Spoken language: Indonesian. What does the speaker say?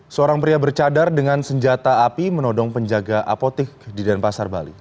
seorang pria bercadar dengan senjata api menodong penjaga apotik di denpasar bali